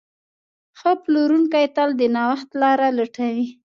ښه پلورونکی تل د نوښت لاره لټوي.